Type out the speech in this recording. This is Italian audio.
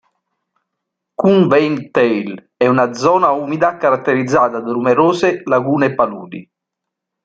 Kune-Vain-Tale è una zona umida caratterizzata da numerose lagune e paludi.